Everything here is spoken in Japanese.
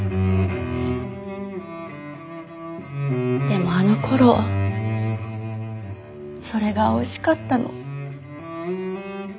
でもあのころそれがおいしかったの。